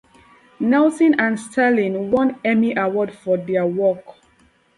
Nelson and Serling won Emmy Awards for their work.